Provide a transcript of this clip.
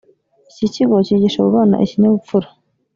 Iki kigo cyigisha abo bana ikinyabupfura